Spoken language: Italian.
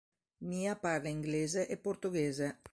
Mia parla inglese e portoghese.